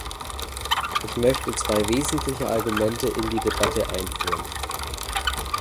Ich möchte zwei wesentliche Argumente in die Debatte einführen.